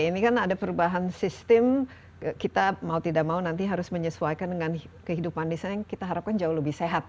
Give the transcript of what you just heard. ini kan ada perubahan sistem kita mau tidak mau nanti harus menyesuaikan dengan kehidupan di sana yang kita harapkan jauh lebih sehat